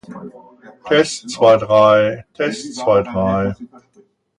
They seem to have originated independently in Europe and the East.